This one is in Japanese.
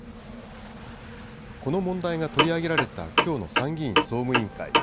この問題が取り上げられたきょうの参議院総務委員会。